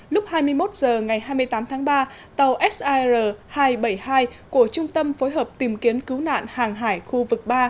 lúc hai mươi một h ngày hai mươi tám tháng ba tàu sir hai trăm bảy mươi hai của trung tâm phối hợp tìm kiếm cứu nạn hàng hải khu vực ba